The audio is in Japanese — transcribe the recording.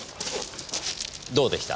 どうでした？